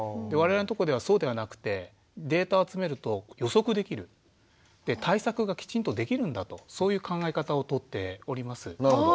我々のとこではそうではなくてデータ集めると予測できるで対策がきちんとできるんだとそういう考え方をとっております。